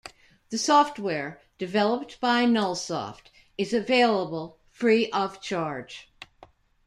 The software, developed by Nullsoft, is available free of charge.